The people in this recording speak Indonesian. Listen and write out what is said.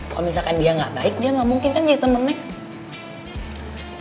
kalo misalkan dia gak baik dia gak mungkin kan jadi temennya